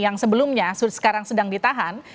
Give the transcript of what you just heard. yang sebelumnya sekarang sedang ditahan